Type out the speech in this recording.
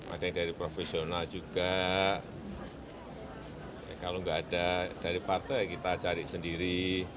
ada yang dari profesional juga kalau nggak ada dari partai kita cari sendiri